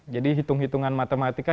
jadi hitung hitungan matematika